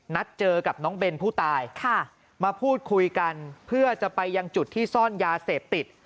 นัดเจอกับน้องเบนผู้ตายมาพูดคุยกันเพื่อจะไปยังจุดที่ซ่อนยาเสพติด